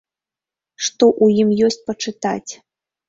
Што ў ім ёсць пачытаць?